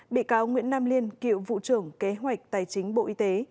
bị cáo nguyễn nam liên cựu vụ trưởng kế hoạch tài chính bộ y tế